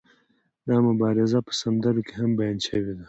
دا مبارزه په سندرو کې هم بیان شوې ده.